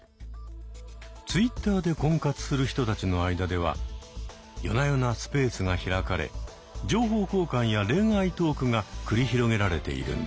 Ｔｗｉｔｔｅｒで婚活する人たちの間では夜な夜なスペースが開かれ情報交換や恋愛トークが繰り広げられているんです。